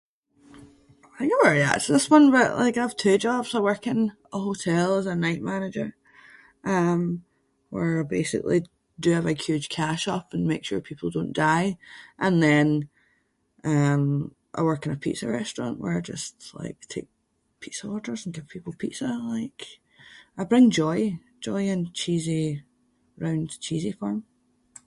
[inc] but like I have two jobs. I work in a hotel as a night manager um where I basically do a big huge cash up and make sure people don’t die and then um I work in a pizza restaurant where I just like take pizza orders and give people pizza like. I bring joy, joy in cheesy- round cheesy form.